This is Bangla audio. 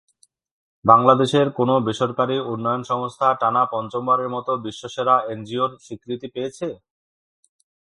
বাংলাদেশের কোন বেসরকারি উন্নয়ন সংস্থা টানা পঞ্চমবারের মতো বিশ্বসেরা এনজিওর স্বীকৃতি পেয়েছে?